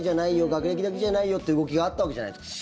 学歴だけじゃないよという動きがあったわけじゃないですか。